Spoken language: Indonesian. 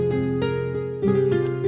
salam ya buat susan